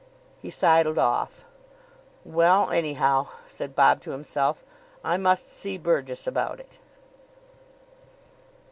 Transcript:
He sidled off. "Well, anyhow," said Bob to himself, "I must see Burgess about it."